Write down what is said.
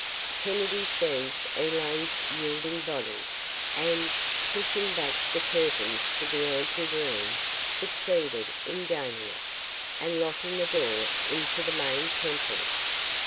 Kennedy seized Elaine's yielding body and, pushing back the curtains to the anteroom, succeeded in gaining it, and locking the door into the main temple.